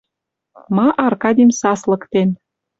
Ма Аркадим саслыктен